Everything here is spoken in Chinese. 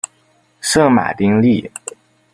圣马丁利。